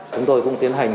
chúng tôi cũng tiến hành